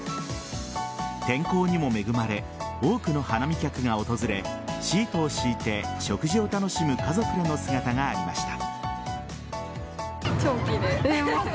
天候にも恵まれ多くの花見客が訪れシートを敷いて食事を楽しむ家族の姿がありました。